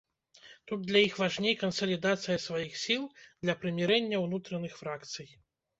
Тут для іх важней кансалідацыя сваіх сіл для прымірэння ўнутраных фракцый.